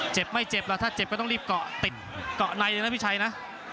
เจ็บไม่เจ็บแล้วถ้าเจ็บก็ต้องรีบเกาะในนะพี่ชัยนะ